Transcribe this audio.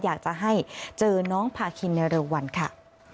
อยากจะให้เจอน้องพาคินในเร็ววันค่ะ